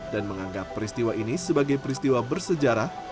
dan menganggap peristiwa ini sebagai peristiwa bersejarah